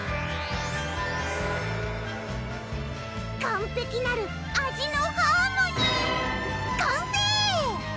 完璧なる味のハーモニー完成！